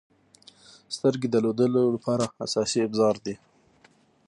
• سترګې د لیدلو لپاره اساسي ابزار دي.